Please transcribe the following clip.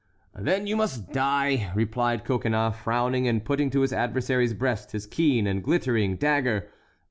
"Then you must die!" replied Coconnas, frowning and putting to his adversary's breast his keen and glittering dagger.